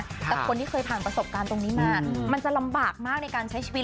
แต่คนที่เคยผ่านประสบการณ์ตรงนี้มามันจะลำบากมากในการใช้ชีวิต